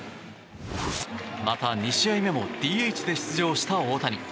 また、２試合目もＤＨで出場した大谷。